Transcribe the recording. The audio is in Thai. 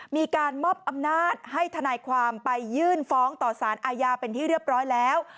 มีการมอบอำนาจให้ทนายความไปยื่นฟ้องต่อสารอาญาเป็นที่เรียบร้อยแล้ว